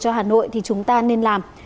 cho hà nội thì chúng ta nên làm